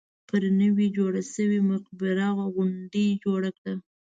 پر نوې جوړه شوې مقبره غونډه جوړه کړه.